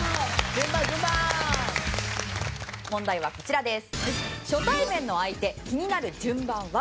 問題はこちらです。